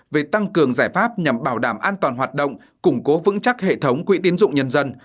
về tăng cường giải pháp nhằm bảo đảm an toàn hoạt động củng cố vững chắc hệ thống quỹ tiến dụng nhân dân